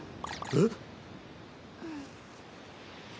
えっ？